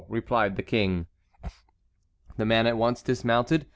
replied the king. The man at once dismounted.